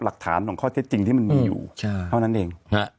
หลักฐานของข้อเท็จจริงที่มันมีอยู่เท่านั้นเอง